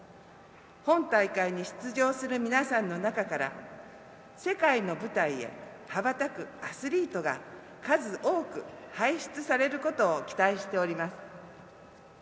本大会に出場する皆さんの中から世界の舞台へ羽ばたくアスリートが数多く輩出されることを期待しております。